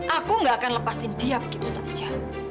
aku gak akan lepasin dia begitu saja